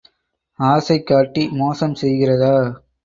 ஆசை காட்டி மோசம் செய்கிறதா?